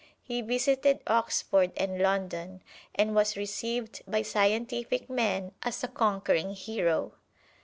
He visited Oxford and London, and was received by scientific men as a conquering hero.